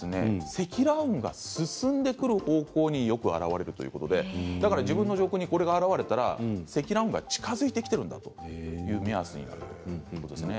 積乱雲が進んでくる方向によく見られるということで自分の上空に現れたら積乱雲が近づいてきているんだという目安になるということなんですね。